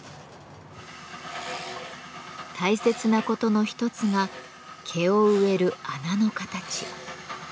大切なことの一つが毛を植える穴の形。